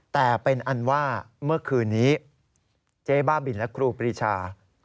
แต่เป็นอันว่าเมื่อคืนนี้เจ๊บ้าบินและครูปรีชา